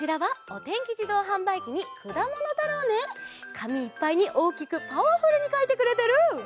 かみいっぱいにおおきくパワフルにかいてくれてる！